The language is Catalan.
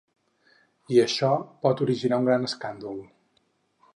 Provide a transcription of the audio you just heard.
I això pot originar un gran escàndol.